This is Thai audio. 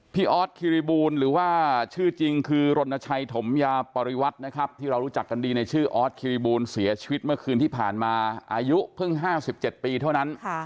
ออสคิริบูลหรือว่าชื่อจริงคือรณชัยถมยาปริวัตินะครับที่เรารู้จักกันดีในชื่อออสคิริบูลเสียชีวิตเมื่อคืนที่ผ่านมาอายุเพิ่ง๕๗ปีเท่านั้น